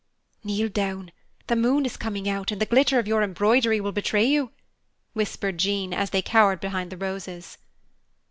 "Kneel down; the moon is coming out and the glitter of your embroidery will betray you," whispered Jean, as they cowered behind the roses.